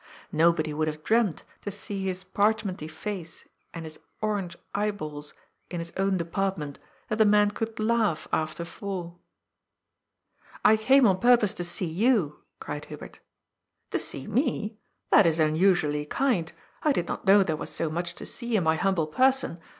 Nobody would have dreamed, to see his parchmenty face and orange eye balls in his own Department, that the man could laugh after four. 404 GOD'S POOL. I came on purpose to see you," cried Hubert ^ To Bee me ? That is unusually kind. I did not know there was so much to see in my humble person.